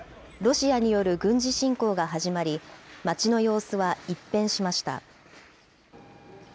ロシアによる軍事侵攻が始まり、町の様子は一変しました。